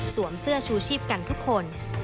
เสื้อชูชีพกันทุกคน